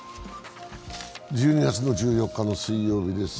１２月１４日水曜日です。